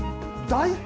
大根？